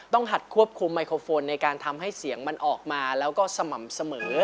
หัดควบคุมไมโครโฟนในการทำให้เสียงมันออกมาแล้วก็สม่ำเสมอ